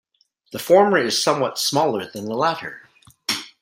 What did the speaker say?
The former is somewhat smaller than the latter.